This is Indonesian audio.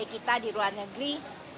kita di luar negeri